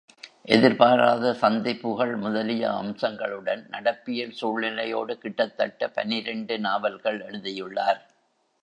எதிர்பாராத சந்திப்புகள் முதலிய அம்சங்களுடன் நடப்பியல் சூழ்நிலையோடு கிட்டத்தட்ட பனிரண்டு நாவல்கள் எழுதியுள்ளார்.